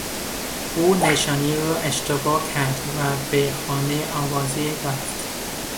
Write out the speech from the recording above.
او نشانی را اشتباه کرد و به خانهی عوضی رفت.